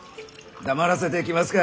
黙らせてきますか？